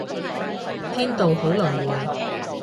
天道好輪迴